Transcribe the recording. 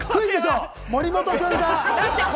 森本君だ！